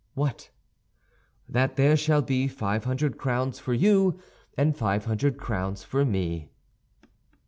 "What?" "That there shall be five hundred crowns for you, and five hundred crowns for me."